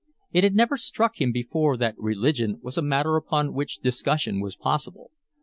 It had never struck him before that religion was a matter upon which discussion was possible.